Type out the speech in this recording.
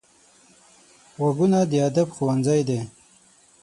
غوږونه د ادب ښوونځی دي